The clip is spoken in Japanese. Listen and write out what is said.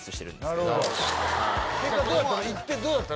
結果どうだったの？